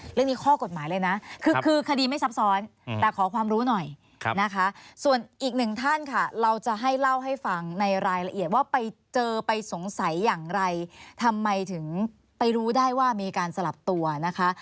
ข้อกฎหมายเลยนะคือคดีไม่ซับซ้อนแต่ขอความรู้หน่อยนะคะส่วนอีกหนึ่งท่านค่ะเราจะให้เล่าให้ฟังในรายละเอียดว่าไปเจอไปสงสัยอย่างไรทำไมถึงไปรู้ได้ว่ามีการสลับตัวนะคะ